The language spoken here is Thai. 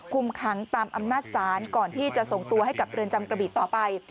คุมขังตามอำนาจศาลก่อนที่จะส่งตัวให้กับเรือนจำกระบีต่อไป